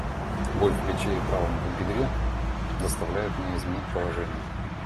Боль в плече и правом бедре заставляет меня изменить положение.